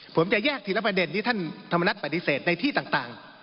ผมจะแยกทีละประเด็นที่ท่านธรรมนัฐปฏิเสธในที่ต่าง